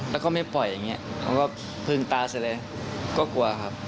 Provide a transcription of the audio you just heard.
แล้วก็ไม่ปล่อยอย่างนี้เขาก็พึงตาเสร็จเลยก็กลัวครับ